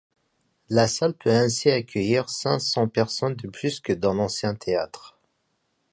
La salle peut ainsi accueillir cinq cents personnes de plus que dans l'ancien théâtre.